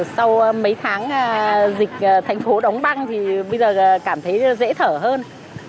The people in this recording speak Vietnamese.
sau mấy tháng dịch thành phố đóng băng thì bây giờ cảm thấy dễ thở hơn